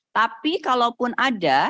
tapi kalaupun ada